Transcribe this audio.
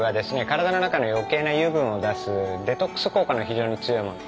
体の中の余計な油分を出すデトックス効果の非常に強いもの。